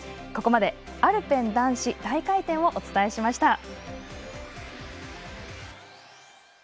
ここまでアルペン男子大回転をお伝えしました。